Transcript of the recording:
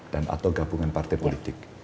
dan atau gabungan partai politik